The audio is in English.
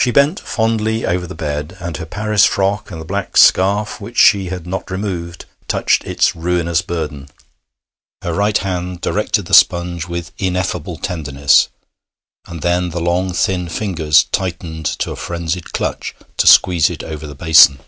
She bent fondly over the bed, and her Paris frock, and the black scarf which she had not removed, touched its ruinous burden. Her right hand directed the sponge with ineffable tenderness, and then the long thin fingers tightened to a frenzied clutch to squeeze it over the basin.